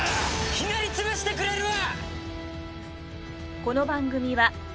ひねり潰してくれるわ！